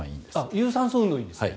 有酸素運動がいいんですね。